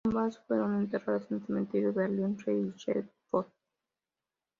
Ambas fueron enterradas en el cementero Berlin-Reinickendorf.